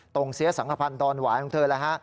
ตรงเซียสังพันธ์ดอนหวายของเธอละฮะ